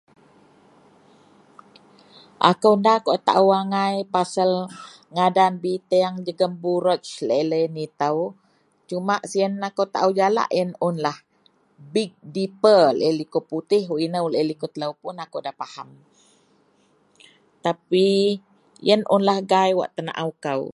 Akou nda kawak tao angai pasal biteang jegum vorogue laei loyen ito cuma sien akou tao jalak iyen unlah. Big dipper laei liko putih wak ino laei liko telo akou da fahem. Tapi iyenlah un gai wak kenatao kou.